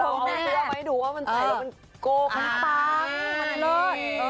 เราเอาเสื้อไว้ดูว่ามันใส่เป็นโกของปัง